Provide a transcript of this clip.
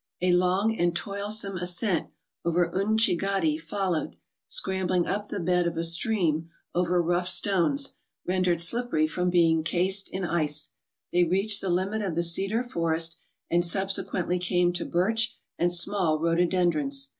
A long and toilsome ascent over Unchi ghati followed; scrambling up the bed of a stream 228 MOUNTAIN ADVENTURES over rough stones, rendered slippery from being cased in ice, they reached the limit of the cedar forest, and subsequently came to birch and small rhododendrons.